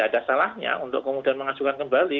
maka tidak ada salahnya untuk kemudian mengajukan kembali